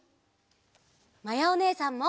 まやおねえさんも！